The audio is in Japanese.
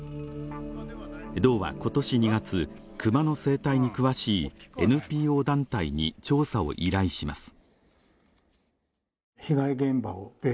道は今年２月、クマの生態に詳しいＮＰＯ団体に調査を依頼します。